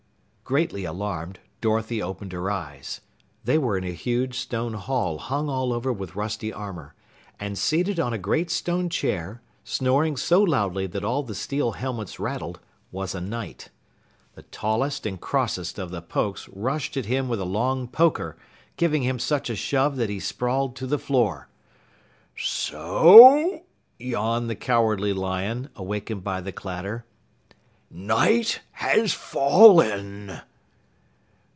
Greatly alarmed, Dorothy opened her eyes. They were in a huge stone hall hung all over with rusty armor, and seated on a great stone chair, snoring so loudly that all the steel helmets rattled, was a Knight. The tallest and crossest of the Pokes rushed at him with a long poker, giving him such a shove that he sprawled to the floor. "So " yawned the Cowardly Lion, awakened by the clatter, "Knight has fallen!"